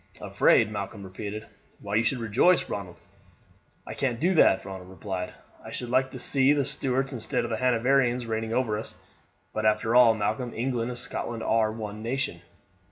"Afraid!" Malcolm repeated. "Why, you should rejoice, Ronald." "I can't do that," Ronald replied. "I should like to see the Stuarts instead of the Hanoverians reigning over us; but after all, Malcolm, England and Scotland are one nation."